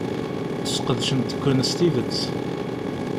Sqedcent-ken s tidet.